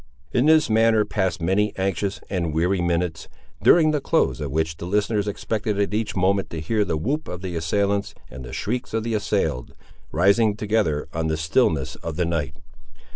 In this manner passed many anxious and weary minutes, during the close of which the listeners expected at each moment to hear the whoop of the assailants and the shrieks of the assailed, rising together on the stillness of the night.